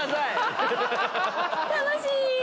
楽しい！